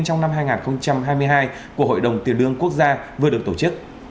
trong năm hai nghìn hai mươi hai của hội đồng tiền lương quốc gia vừa được tổ chức